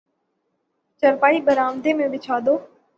چارپائی برآمدہ میں بچھا دو